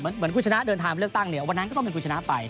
เหมือนคุณชนะเดินทางเลือกตั้งเนี่ยวันนั้นก็ต้องเป็นคุณชนะไป